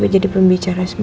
aku memang bimbang arah gempa